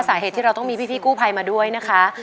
สาเหตุที่เราต้องมีพี่กู้ภัยมาด้วยนะคะ